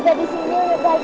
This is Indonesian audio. you mammoim lu asuh